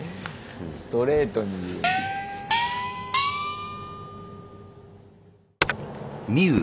ストレートに言う。